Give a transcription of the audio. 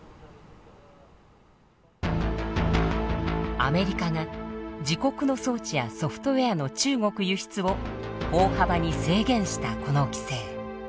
アメリカが自国の装置やソフトウエアの中国輸出を大幅に制限したこの規制。